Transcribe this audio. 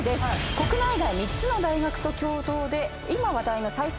国内外３つの大学と共同で今話題の再生